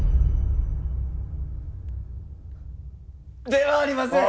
ではありません！